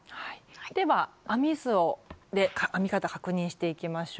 では編み図で編み方確認していきましょう。